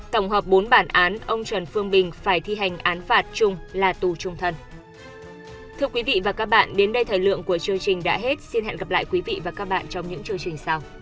tổng hợp bốn bản án ông trần phương bình phải thi hành án phạt chung là tù trung thân